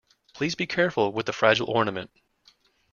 Please be careful with the fragile ornament.